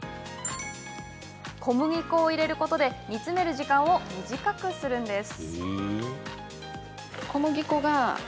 小麦粉を入れることで煮詰める時間を短くするんです。